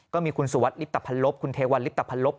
ก็มีคุณสุวรรษริตภัณฑ์ลบคุณเทวัลริตภัณฑ์ลบ